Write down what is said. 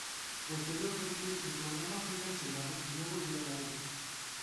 Posteriormente el programa fue cancelado y no volvió al aire.